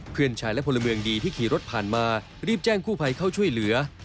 เพื่อนชายและพลเมืองดีที่ขี่รถผ่านมารีบแจ้งกู้ภัยเข้าช่วยเหลือ